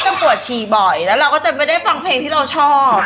แล้วเราก็จะไม่ได้ฟังเพลงที่ชอบ